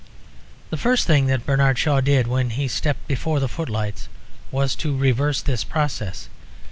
The first thing that Bernard Shaw did when he stepped before the footlights was to reverse this process.